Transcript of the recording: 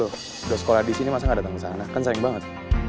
udah sekolah disini masa gak dateng kesana kan sering banget